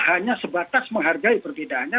hanya sebatas menghargai perbedaannya